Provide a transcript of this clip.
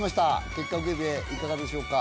結果受けていかがでしょうか？